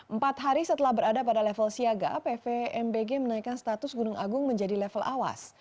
empat hari setelah berada pada level siaga pvmbg menaikkan status gunung agung menjadi level awas